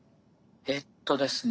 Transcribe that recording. えっとですね